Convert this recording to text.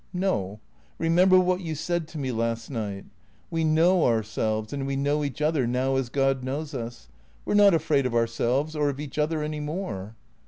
" No. Eemember what you said to me last night. We know ourselves and we know each other now as God knows us. We 're not afraid of ourselves or of each other any more."